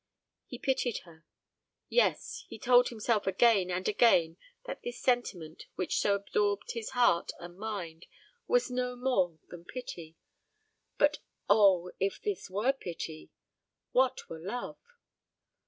He pitied her. Yes, he told himself again and again that this sentiment which so absorbed his heart and mind was no more than pity. But oh, if this were pity, what were love?